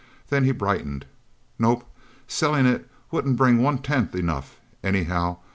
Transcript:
Then he brightened. "Nope selling it wouldn't bring one tenth enough, anyhow.